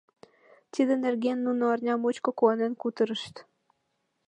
Тидын нерген нуно арня мучко куанен кутырышт.